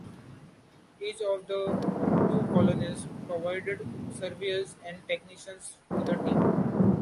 Each of the two colonies provided surveyors and technicians to the team.